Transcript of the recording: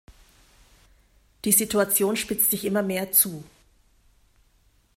Die Situation spitzt sich immer mehr zu.